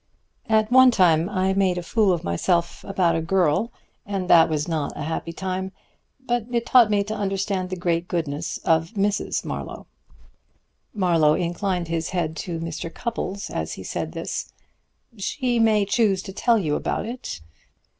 At one time I made a fool of myself about a girl, and that was not a happy time; but it taught me to understand the great goodness of Mrs. Manderson." Marlowe inclined his head to Mr. Cupples as he said this. "She may choose to tell you about it.